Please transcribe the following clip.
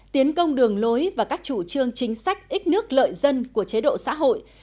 tiến công đường lối và các chủ trương chính sách ít nước lợi dân của chế độ xã hội